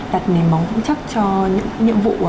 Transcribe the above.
đặt nền móng vững chắc cho những nhiệm vụ